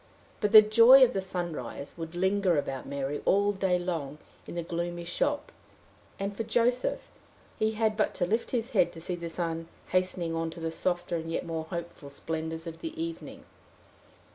But the joy of the sunrise would linger about Mary all the day long in the gloomy shop; and for Joseph, he had but to lift his head to see the sun hastening on to the softer and yet more hopeful splendors of the evening.